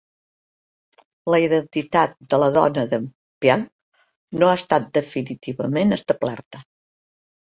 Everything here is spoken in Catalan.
La identitat de la dóna d'en Piankh no ha estat definitivament establerta.